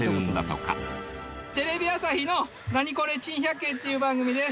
テレビ朝日の『ナニコレ珍百景』っていう番組です。